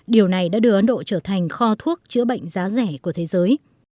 điều này đã đưa ấn độ trở thành kho thuốc chữa bệnh giá rẻ của thế giới